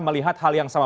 melihat hal yang sama